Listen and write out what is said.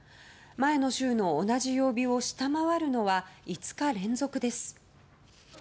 前の週の同じ曜日を下回るのは５日連続です。